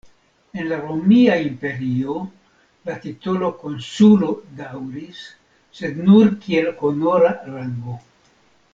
En la Romia Imperio la titolo "konsulo" daŭris, sed nur kiel honora rango.